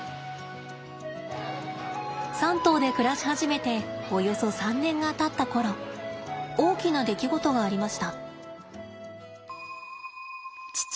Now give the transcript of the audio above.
３頭で暮らし始めておよそ３年がたった頃大きな出来事がありました。